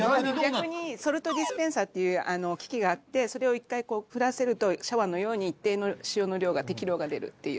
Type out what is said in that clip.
逆にソルトディスペンサーっていう機器があってそれを１回振らせるとシャワーのように一定の塩の量が適量が出るっていう。